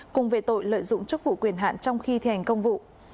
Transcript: cùng về tội lợi dụng chức vụ quyền hạn trong khi thành công vụ